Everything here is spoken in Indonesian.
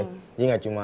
jadi nggak cuma